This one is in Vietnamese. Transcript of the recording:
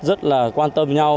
rất là quan tâm nhau